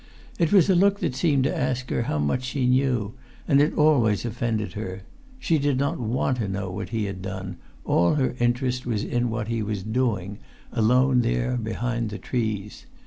It was a look that seemed to ask her how much she knew, and it always offended her. She did not want to know what he had done; all her interest was in what he was doing, alone there behind the trees.